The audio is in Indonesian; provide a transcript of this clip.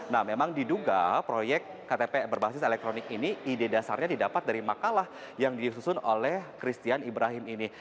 nah memang diduga proyek ktp berbasis elektronik ini ide dasarnya didapat dari makalah yang disusun oleh christian ibrahim ini